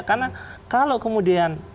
karena kalau kemudian